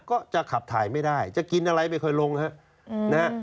ก็จะขับถ่ายไม่ได้จะกินอะไรไม่ค่อยลงฮะนะฮะ